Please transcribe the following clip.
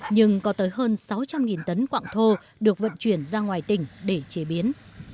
nhưng có tới hơn sáu trăm linh tấn quạng thô được vận chuyển ra ngoài tỉnh để chế biến